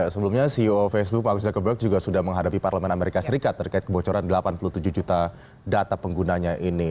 sebelumnya ceo facebook pak agusta keberg juga sudah menghadapi parlemen amerika serikat terkait kebocoran delapan puluh tujuh juta data penggunanya ini